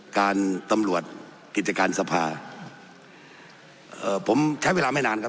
การตำรวจกิจการสภาเอ่อผมใช้เวลาไม่นานครับ